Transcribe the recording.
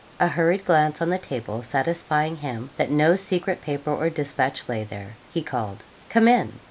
A hurried glance on the table satisfying him that no secret paper or despatch lay there, he called 'Come in.'